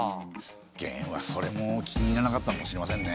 元はそれも気に入らなかったのかもしれませんね。